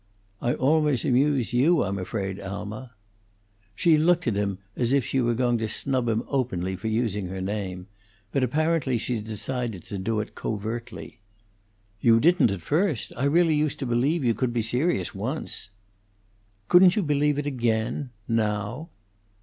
"I always amuse you, I'm afraid, Alma." She looked at him as if she were going to snub him openly for using her name; but apparently she decided to do it covertly. "You didn't at first. I really used to believe you could be serious, once." "Couldn't you believe it again? Now?"